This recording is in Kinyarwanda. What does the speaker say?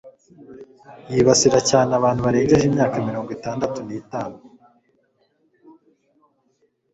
Yibasira cyane abantu barengeje imyaka mirongo itandatu n'itanu.